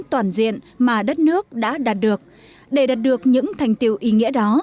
toàn diện mà đất nước đã đạt được để đạt được những thành tiệu ý nghĩa đó